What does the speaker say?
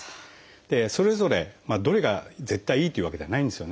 それぞれどれが絶対いいというわけではないんですよね。